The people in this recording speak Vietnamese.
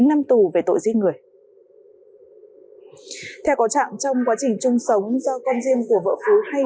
chín năm tù về tội giết người theo có trạng trong quá trình chung sống do con riêng của vợ phú hay